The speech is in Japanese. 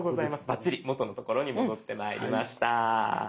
バッチリ元の所に戻ってまいりました。